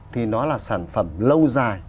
thì nó là sản phẩm lâu dài